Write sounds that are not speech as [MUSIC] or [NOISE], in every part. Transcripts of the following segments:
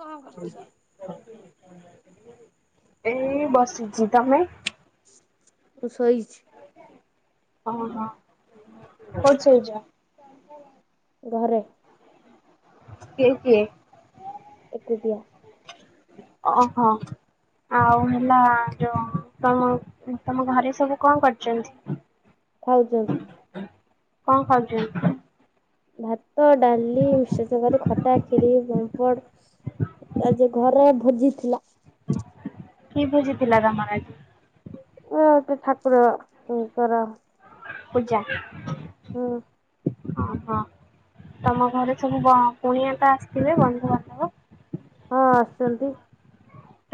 କଣ କରୁଛ? ଏଇ ବସିଛି ତମେ? [UNINTELLIGIBLE] ଶୋଇଛି। ଓ ହୋ [UNINTELLIGIBLE] ଘରେ। କିଏ କିଏ। ଏକୁଟିଆ। ଓହୋ। ଆଉ ହେଲା ଯୋଉ ତମ ତମ ଘରେ ସବୁ କଣ କରିଛନ୍ତି। ଖାଉଛନ୍ତି। କଣ ଖାଉଛନ୍ତି? ଭାତ ଡ଼ାଲି ମିଶ୍ଚର୍ ତରକାରୀ ଖଟା ଖିରି ପାମ୍ପଡ଼। ଆଜି ଘରେ ଭୋଜି ଥିଲା। କି ଭୋଜି ଥିଲା ତମର ଆଜି? [UNINTELLIGIBLE] ଠାକୁରଙ୍କର କରା ପୂଜା। ହଁ। ହଁ ହଁ ତମ ଘରେ ସବୁ ବ କୁଣିଆ ତ ଆସିଥିବେ ବନ୍ଧୁବାନ୍ଧବ? ହଁ ଆସଚନ୍ତି।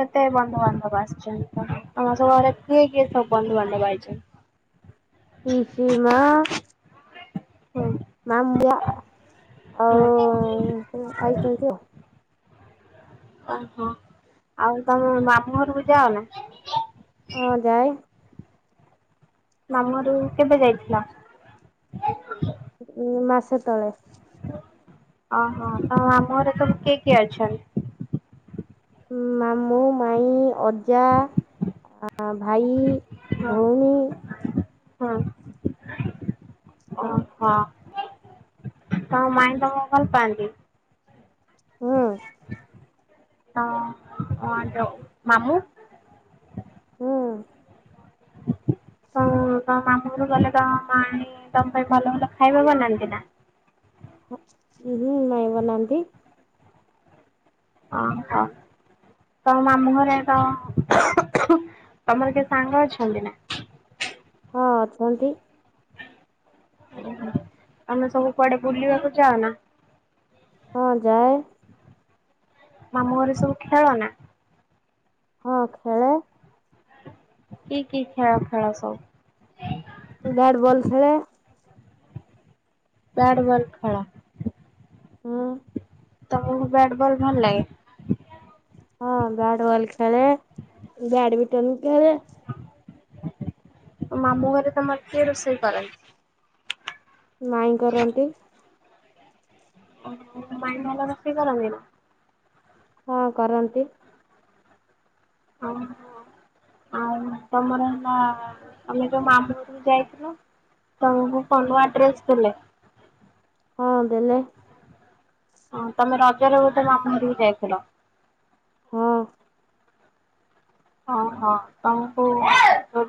କେତେ ବନ୍ଧୁବାନ୍ଧବ ଆସିଚନ୍ତି ତମର ସବୁ ଘରେ କିଏ କିଏ ସବୁ ବନ୍ଧୁବାନ୍ଧବ ଆଇଚନ୍ତି। ପିସି ମା ହୁଁ ମାମୁଁ ଆ ହୁଁ ଆଉ ସବୁ ଆଇଚନ୍ତି ଆଉ। ଓହୋ ଆଉ ତମେ ମାମୁଁ ଘରକୁ ଯାଅ ନା? ହଁ ଯାଏ ମାମୁଁ ଘରକୁ କେବେ ଯାଇଥିଲ? ଉଁ ମାସେ ତଳେ। ଓହୋ ତମ ମାମୁଁ ଘରେ ସବୁ କିଏ କିଏ ଅଛନ୍ତି? ମାମୁଁ ମାଇଁ ଅଜା ଆ ଭାଇ ଭଉଣୀ ହଁ ଓହୋ। ତମ ମାଇଁ ତମକୁ ଭଲ ପାଆନ୍ତି। ହୁଁ [UNINTELLIGIBLE] ମାମୁଁ। ହୁଁ ହ ତମ ମାମୁଁ ଘରକୁ ଗଲେ ତମ ମାଇଁ ତମ ପାଇଁ ଭଲ ଭଲ ଖାଇବା ବନାନ୍ତି ନା? ହଁ ହ୍ନୁ ମାଇଁ ବନାନ୍ତି। ଓ ହୋ ତମ ମାମୁଁ ଘରେ ତ ତମର କିଏ ସାଙ୍ଗ ଅଛନ୍ତି ନା? ହଁ ଅଛନ୍ତି। ଓହୋ ତମେ ସବୁ କୁଆଡେ ବୁଲିବାକୁ ଯାଅ ନା? ହଁ ଯାଏ। ମାମୁଁ ଘରେ ସବୁ ଖେଳ ନା? ହଁ ଖେଳେ। କି କି ଖେଳ ଖେଳ ସବୁ? ମୁଁ ବ୍ୟାଟ୍ ବଲ ଖେଳେ। ବ୍ୟାଟ୍ ବଲ ଖେଳ। ହଁ। ତମକୁ ବ୍ୟାଟ୍ ବଲ୍ ଭଲ ଲାଗେ? ହଁ ବ୍ୟାଟ୍ ବଲ ଖେଳେ ବ୍ୟାଡ ମିଣ୍ଟନ ଖେଳେ। ମାମୁଁ ଘରେ ତମର କିଏ ରୋଷେଇ କରନ୍ତି? ମାଇଁ କରନ୍ତି। ମାଇଁ ଭଲ ରୋଷଇ କରନ୍ତିନା? ହଁ କରନ୍ତି। ଓ ହୋ। ଆଉ ତମର ହେଲା ତମେ ଯୋଉ ମାମୁଁ ଘରକୁ ଯାଇଥିଲ ତମକୁ କଣ ନୂଆ ଡ୍ରେସ ଦେଲେ? ହଁ ଦେଲେ। ହଁ ତମେ ରଜରେ ବୋଧେ ମାମୁଁ ଘରକୁ ଯାଇଥିଲ? ହଁ। ଓହୋ ତମକୁ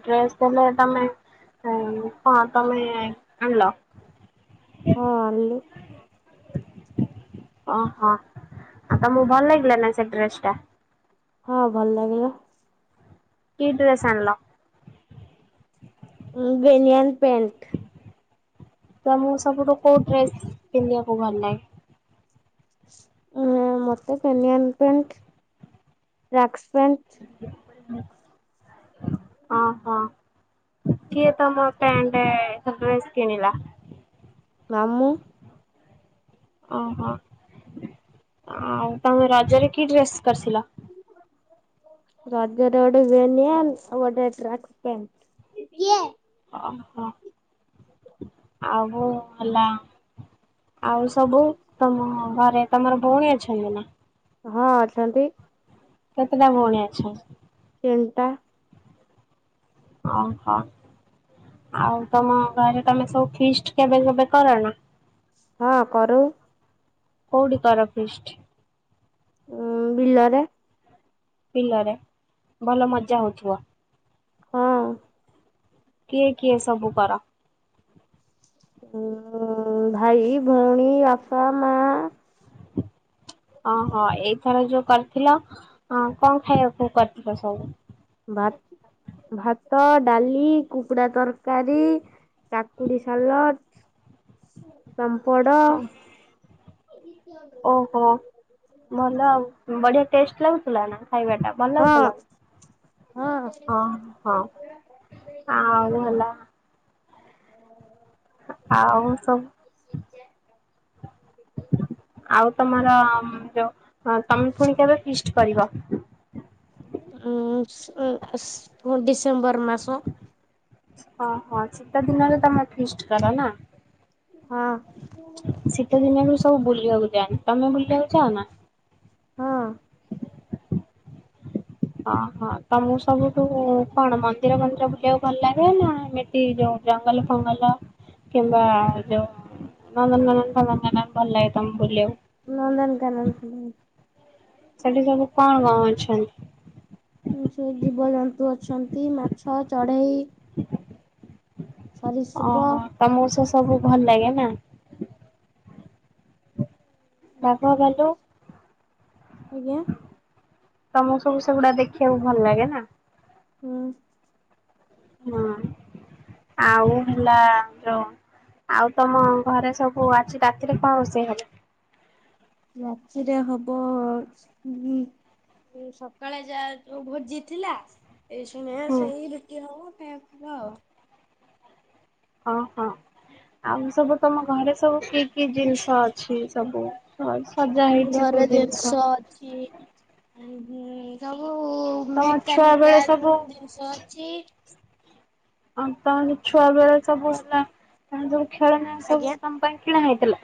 ଡ୍ରେସ ଦେଲେ ତମେ ହଁ କଣ ତମେ ଆଣିଲ? ହଁ ଆଣିଲି। ଓ ହୋ ଆଉ ତମକୁ ଭଲ ଲାଗିଲା ନା ସେ ଡ୍ରେସଟା? ହଁ ଭଲ ଲାଗିଲା। କି ଡ୍ରେସ ଆଣିଲ? ଏଇ ବେନିଅନ୍ ପେଣ୍ଟ। ତମକୁ ସବୁଠୁ କୋଉ ଡ୍ରେସ୍ ପିନ୍ଧିବାକୁ ଭଲ ଲାଗେ? ଉ ମତେ ବେନିଆନ୍ ପ୍ୟାଣ୍ଟ, ଟ୍ରାକ୍କ୍ସ୍ ପ୍ୟାଣ୍ଟ ହଁ ହଁ। କିଏ ତମ ପ୍ୟାଣ୍ଟ୍ ଡ୍ରେସ୍ କିଣିଲା? ମାମୁଁ। ଓ ହୋ ଆଉ ତମେ ରଜରେ କି ଡ୍ରେସ୍ କରିଥିଲ? [UNINTELLIGIBLE] ରଜରେ ଗୋଟେ ବେନୀୟାନ୍ ଆଉ ଗୋଟେ ଟ୍ରାକ୍ସ୍ ପେଣ୍ଟ୍। ଓ ହୋ ଆଉ ହେଲା ଆଉ ସବୁ ତମ ଘରେ ତମର ଭଉଣୀ ଅଛନ୍ତି ନା? ହଁ ଅଛନ୍ତି। କେତେଟା ଭଉଣୀ ଅଛନ୍ତି? ତିନିଟା। ଅ ହଁ। ଆଉ ତମ ଘରେ ତମେ ସବୁ ଫିଷ୍ଟ କେବେ କେବେ କର ନା? ହଁ କରୁ। କଉଠିି କର ଫିଷ୍ଟ୍? ଉଁ ବିଲରେ। ବିଲରେ ଭଲ ମଜା ହଉଥିବ। ହଁ। କିଏ କିଏ ସବୁ କର? ହୁଁ ଭାଇ, ଭଉଣୀ, ବାପା, ମା। ଓ ହୋ ଏଇଥର ଯୋଉ କରିଥିଲ‌ କଣ ଖାଇବାକୁ କରିଥିଲ ସବୁ? ଭାତ୍ ଭାତ, ଡାଲି, କୁକୁଡ଼ା ତରକାରୀ କାକୁଡ଼ି ସାଲାଡ଼ ପାମ୍ପଡ। ଓ ହୋ‌ ଭଲ ଆଉ। ବଢ଼ିଆ ଟେଷ୍ଟ୍ ଲାଗୁଥିଲା ନା ଖାଇବାଟା ଭଲ ହଁ ଲାଗୁଥିଲା? ହଁ। ଓ ହୋ ଆଉ ଭଲ। ଆଉ ସବୁ ଆଉ ତମର ଯୋଉ ହଁ ତମେ ପୁଣି କେବେ ଫିଷ୍ଟ୍ କରିବ? ଉଁ ଡିସେମ୍ବର ମାସ। ଓ ହୋ ଶୀତ ଦିନରେ ତମେ ଫିଷ୍ଟ କର ନା? ହଁ ଶୀତ ଦିନରେ ସବୁ ବୁଲିବାକୁ ଯାଆ ତମେ ବୁଲିବାକୁ ଯାଉନା? ହଁ। ଅ ହୋ ତମକୁ ସବୁଠୁ କଣ ମନ୍ଦିର ମନ୍ଦିର ବୁଲିବାକୁ ଭଲ ଲାଗେ? [UNINTELLIGIBLE] ନା ଏମିତି ଜ ଜଙ୍ଗଲ ଫଙ୍ଗଲ କିମ୍ବା ଯୋଉ ନନ୍ଦନକାନନ ଫନ୍ଦନକାନନ ଭଲ ଲାଗେ ତମକୁ ବୁଲିବାକୁ। ନନ୍ଦନକାନନ ସେଠି ସବୁ କଣ କଣ ଅଛନ୍ତି? ସେଇ ଜୀବଜନ୍ତୁ ଅଛନ୍ତି ମାଛ ଚଢ଼େଇ। ଓ ହୋ ତମକୁ ସେ ସବୁ ଭଲ ଲାଗେ ନା? ବାଘ ଭାଲୁ। ଆଜ୍ଞା। ତମକୁ ସବୁ ସେଗୁଡା ଦେଖିବାକୁ ଭଲ ଲାଗେ ନା? ହୁଁ। ହଁ ଆଉ ହେଲା ଯୋଉ ଆଉ ତମ ଘରେ ସବୁ ଅଛି ରାତିରେ କଣ ରୋଷେଇ ହବ? ରାତିରେ ହବ ଉ ସକାଳେ ଯା ଯୋଉ ଭୋଜି ଥିଲା ହୁଁ [UNINTELLIGIBLE] ହଁ ହଁ। ଆଉ ସବୁ ତମ ଘରେ ସବୁ କି କି ଜିନିଷ ଅଛି ସବୁ ସଜା ହେଇଛି ସବୁ ଘର ଜିନିଷ ଅଛି ସବୁ ତମ ଛୁଆ ବେଳେ ମେକାନିକାଲ ସବୁ ଜିନିଷ ଅଛି। ଆଉ ତାନେ ଛୁଆ ବେଳେ ସବୁ ଆସିଲା ତଣ ଯୋ ଖେଳ ନା ସବୁ ଆଜ୍ଞା। ତମ ପାଇଁ କିଣା ହେଇଥିଲା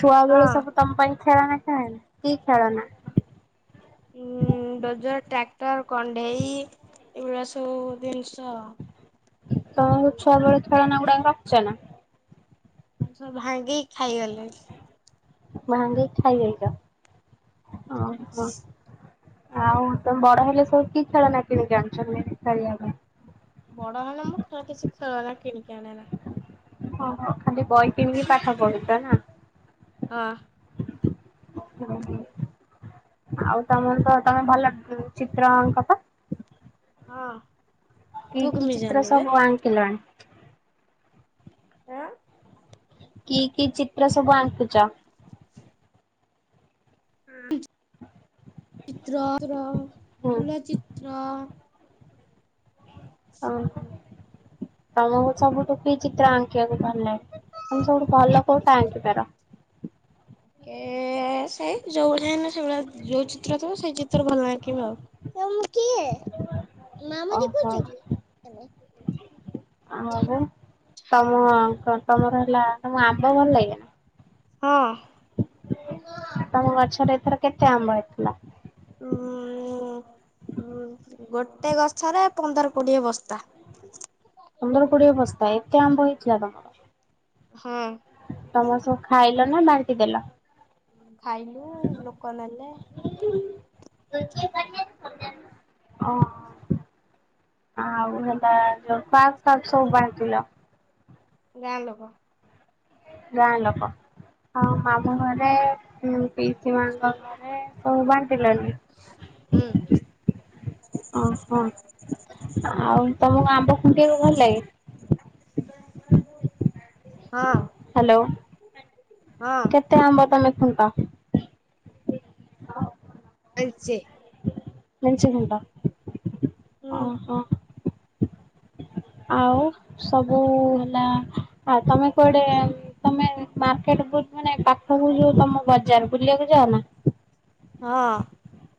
ଛୁଆ ବେଳୁ ସବୁ ହଁ ତମ ପାଇଁ ଖେଳ ନା ଖେଳନି କି ଖେଳନା ଉଁଡ୍ରୋଜର ଟ୍ରାକ୍ଟର କଣ୍ଢେଇ ଏଇଭଳିଆ ସବୁ ଜିନିଷ। ତ ଛୁଆ ବଳେ ଖେଳାନ ଗୋଡା ରଖିଛ ନା? ଭାଙ୍ଗେଇି ଖାଇଗଲେ। ଭହାଙ୍ଗେଇ ଖାଇଯାଇଛ ହଁ ହଁ। ଆଉ ତମେ ବଡ ହେଲେ ସବୁ କି ଖେଳନା କିଣି ଜାଣିଛନ୍ତି ଖିବା ପାଇଁ? ବଡ ହେଲେ ମୁଁ ଖେ କିଛି ଖେଳ ନା କିଣିକି ଆଣେନା। ଓ ହୋ ଖାଲି ବହି କିଣିକି ପାଠ ପଢୁଛ ନା। ହଁ। [UNINTELLIGIBLE] ଆଉ ତମ ସହ ତମେ ଭଲ ଚିତ୍ର ଅଙ୍କ ତ। ହଁ। କି ତୁ କି କେମିତି ଚିତ୍ର ଜାଣିଲୁ ବେ ସବୁ ଆଙ୍କିଲଣି? କି କି ଚିତ୍ର ସବୁ ଆଙ୍କୁଚ? ହୁଁ। [UNINTELLIGIBLE] ଓ ତମକୁ ସବୁଠୁ କି ଚିତ୍ର ଆଙ୍କିବାକୁ ଭଲ ଲାଗେ? ତମେ ସବୁଠୁ ଭଲ କୋଉଟା ଆଙ୍କି ପାର? ଏ ସେଇ। [UNINTELLIGIBLE] ସେଳିଆ ଯୋଉ ଚିତ୍ର ଥିବ ସେ ଚିତ୍ର ଭଲ ଅଙ୍କିବି ଆଉ। ଓହୋ [UNINTELLIGIBLE] [UNINTELLIGIBLE] ତମ ତମର ହେଲା ତମ ଆମ୍ବ ଭଲ ଲାଗେ ନା? [INAUDIBLE] ତମ ଗଛରେ ଏଥର କେତେ ଆମ୍ବ ଆଇଥିଲା? ହଁ ଉଁ [INAUDIBLE] ଉଁ ଗୋଟେ ଗଛରେ ପନ୍ଦର କୋଡିଏ ବସ୍ତା। ପନ୍ଦର କୋଡିଏ ବସ୍ତା ଏତେ [UNINTELLIGIBLE] ହୁଁ। ତମର ସବୁ ଖାଇଲ ନା ବାଣ୍ଟି ଦେଲ? ଖାଇଲୁ ଲୋକ ନେଲେ। ଓ [INAUDIBLE] ଆଉ ହେଲା ପାକ୍ ଫାକ୍ ସବୁ ବାଣ୍ଟିଲ। ଗାଁ ଲୋକ ଗାଁ ଲୋକ ଆ ମାମୁଁ ଘରେ ପିଇସୀ [UNINTELLIGIBLE] ଘରେ ସବୁ ବାଣ୍ଟିଲଣି? ହୁଁ [INAUDIBLE] ଓହୋ ଆଉ ତମ ଆମ୍ବ ଖୁଟି ଭଲ ଲାଗେ? ହଁ ହ୍ୟାଲୋ ହଁ। କେତେ ଆମ୍ବ ତମେ ଖୁଣ୍ଟ। ମେଞ୍ଚେ। ମେଞ୍ଚେ କୁଣ୍ଟ ଓ ହୁଁ ହୋ। ଆଉ ସବୁ ହେଲା ଆ ତମେ କୁଆଡେ ତମେ ମାର ସେପଟୁ ମାନେ ପାଖକୁ ଯୋଉ ତମ ବଜାର ବୁଲିବାକୁ ଯାଅ ନା। ହଁ।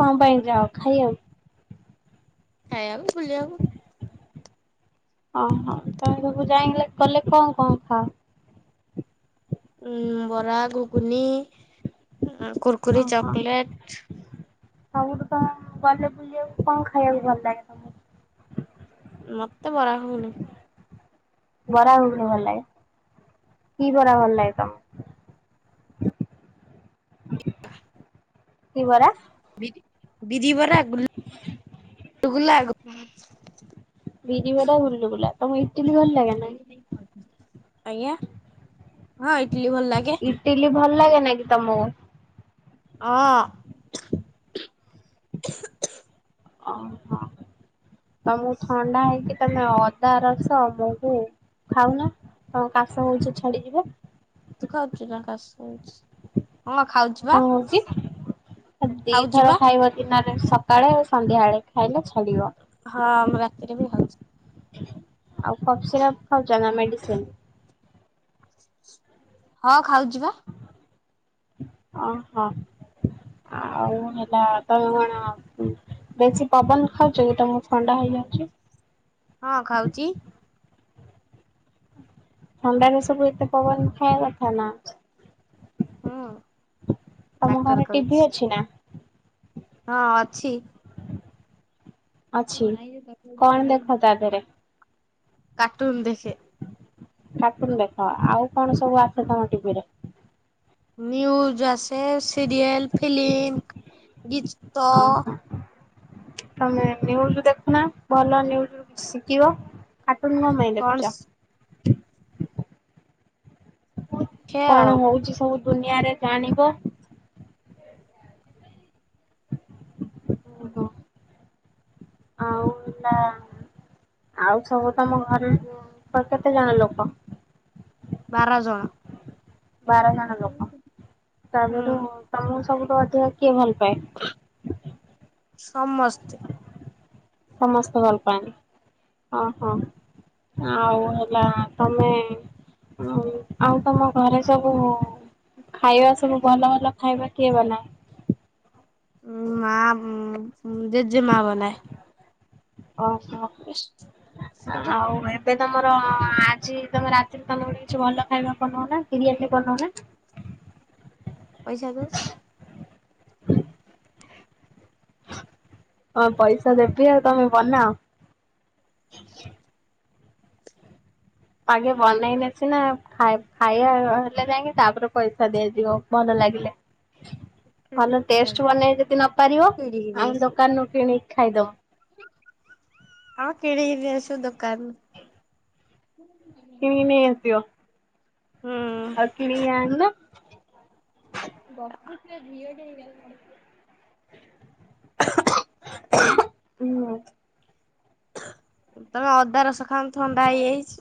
କଣ ପାଇଁ ଯାଅ ଖାଇବାକୁ। ଖାଇବାକୁ ବୁଲିବାକୁ। ଓହୋ ତମେ ସବୁ ଯାଇଲେ ଗଲେ କଣ କଣ ଖାଅ। ଉଁ ବରା ଘୁଗୁନି। କୁରୁକୁୁରୀ ଓହୋ। ଚକୋଲେଟ୍। ସବୁଠୁ ତମକୁ ଗଲେ ବୁଲିବାକୁ କଣ ଖାଇବାକୁ ଭଲ ଲାଗେ ତମକୁ। ମତେ ବରା ଘୁଗୁନି। ବରା ଘୁଗୁନି ଭଲ ଲାଗେ। କି ବରା ଭଲ ଲାଗେ ତମକୁ। କିିବରା। ବିରି ବିରିିବରା ଗୁଲୁଗୁଲା ବିରି ବାର ଗୁଲୁଗୁଲା ତମକୁ ଇ ଆଜ୍ଞା ହଁ ଇଟିଲି ଭଲ ଲାଗେ। ଇଟିଲି ଭଲ ଲାଗେ ନାଇଁ କି ତମକୁ। ହଁ। ଅ ହଁ। ତମକୁ ଥଣ୍ଡା ହେଇଚି ତମେ ଅଦା ରସ ମହୁ ଖାଉନ ତମ କାଶ ହଉଚି ଛାଡ଼ିଯିବ। ତୁ ଖାଉଛୁ ନା କାସ ହୋଉଛି। କଣ ହଉଚି ଆ ଖାଉଛି ଦିଥର ବା ଖାଇବ ଦିନ ସକାଳେ ଆଉ ସନ୍ଧ୍ୟାବେଳେ ଖାଇଲେ ଛା ହଁ ମୁଁ ରାତିରେ ବି ଖାଉଚି। ଆଉ କଫ୍ ସିରାପ୍ ଖାଉଚ ନା ମେଡିସିନ୍। ହଁ ଖାଉଚି ବା। ଓହୋ। ଆଉ ହେଲା ତଣ ବେଶୀ ପବନ ଖାଉଚକି ତମକୁ ଥଣ୍ଡା ହେଇଯାଉଚି। ହଁ ଖାଉଚି। ଥଣ୍ଡାରେ ସବୁ ଏତେ ପବନ ଖାଇବା କଥା ନା। ହୁଁ। ତମ ଡାକ୍ତର ଘରେ ଟିଭି କହିଛି। ଅଛି ନା। ହଁ ଅଛି। ଅଛି ନାଇଁ ରେ ତାକୁ କଣ ବାଡ଼ି ଦେଖ ନେଇକି ତା ଦେହରେ କାଟୁନ୍ ଦେଖେ। କାଟୁନ୍ ଦେଖ ଆଉ କଣ ସବୁ ଆସେ ତମ ଟିଭିରେ। ନ୍ୟୁଜ୍ ଆସେ ସିରିଏଲ୍ ଫିଲ୍ମ୍ ଗୀ ଅହୋ। ତମେ ନ୍ୟୁଜ୍ ଦେଖି ନ ଭଲ ନ୍ୟୁଜ୍ ଶିକିବ। କାଟୁନ୍ କପାଇଁ କଣ ଦେଖିଚ। ଶିଖେ ଆଉ କଣ ହଉଚି ସବୁ ଦୁନିଆରେ ଜାଣିବ। ଓ ହୋ। ଆଉ ହେଲା ଆଉ ସବୁ ତମ ଘରେ ଉ ତ କେତେ ଜଣ ଲୋକ। ବାର ଜଣ। ବାର ଜଣ ଲୋକ ହୁଁ ତାପରଠୁ ତମକୁ ସବୁ ଅଧିକା କିଏ ଭଲ ପାଏ। ସମସ୍ତେ। ସମସ୍ତେ ଭଲପାଆନ୍ତି ହଁ ହଁ। ଆଉ ହେଲା ତମେ ହୁଁ ଆଉ ତମ ଘରେ ସବୁ ଖାଇବା ସବୁ ଭଲ ଭଲ ଖାଇବା କିଏ ବନାଏ ଉଁ ମା ଜେଜେ ମା ବନାଏ ଓହୋ। ସେଟା [UNINTELLIGIBLE] ଆଉ ଏବେ ତମର ଆଜି ତମ ରାତିରେ ତମେ ଗୋଟେ କିଛି ଭଲ ଖାଇବା ବନଉନ ବିରିୟାନୀ ବନଉନ ହୁଁ [INAUDIBLE] ପଇସା [UNINTELLIGIBLE] ତ ହଁ ପଇସା ଦେବି ଆଉ ତମେ ବନାଅ ଆଗେ ବନେଇ ନେସି ନା ଖାଇ ଖାଇବା ହେଲେ ଯାଇକି ତାପରେ ପଇସା ଦିଆଯିବ ଭଲ ଲା ଲାଗିଲେ ଭଲ ଟେଷ୍ଟ କିଣିକିରି ବନେଇ ଯଦି ନ ପାରିବ, ଆମ ଦୋକାନରୁୁ କିଣିକି ଖାଇଦବ। ହଁ କିଣିକି ନେଇ ଆସିବ ଦୋକାନ ରୁ କିଣିକି ନେଇ ଆସିବ ହୁଁ। ଆଉ କିଣିକି ଆଣୁନ। [UNINTELLIGIBLE] ବ ିଅ ଟ ହେଇଗ [UNINTELLIGIBLE] ହୁଁ। ତମେ ଅଦା ରସ ଖାଉନ ଥଣ୍ଡା ହେଇଯାଇଛି।